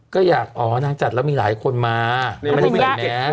ก็อยากอ๋อนางจัดแล้วมีหลายคนมานางไม่ได้ใส่แมส